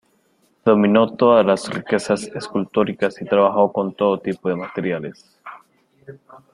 Dominó todas las riquezas escultóricas y trabajó con todo tipo de materiales.